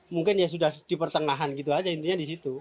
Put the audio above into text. mungkin ya sudah di pertengahan gitu aja intinya disitu